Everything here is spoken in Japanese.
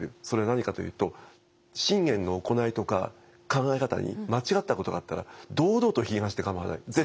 それは何かというと信玄の行いとか考え方に間違ったことがあったら堂々と批判して構わない。